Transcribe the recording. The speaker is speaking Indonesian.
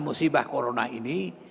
musibah corona ini